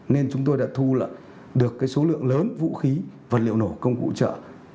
nên chúng tôi đã thu được số lượng lớn vũ khí vật liệu nổ công cụ hỗ trợ